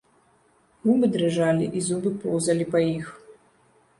Губы дрыжалі і зубы поўзалі па іх.